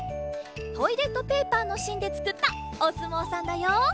トイレットペーパーのしんでつくったおすもうさんだよ。